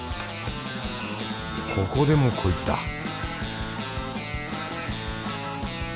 ここでもこいつだ